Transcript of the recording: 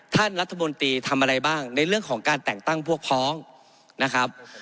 ท่านรัฐมนตรีทำอะไรบ้างในเรื่องของการแต่งตั้งพวกพ้องนะครับ